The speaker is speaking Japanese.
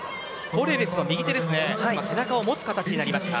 ポレレスの右手が背中を持つ形になりました。